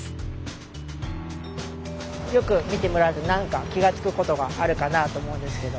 よく見てもらうと何か気が付くことがあるかなあと思うんですけど。